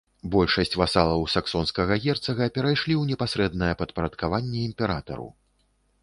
Большасць васалаў саксонскага герцага перайшлі ў непасрэднае падпарадкаванне імператару.